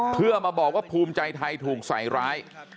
เพื่อมาบอกว่าภูมิใจไทยถูกใส่ร้าย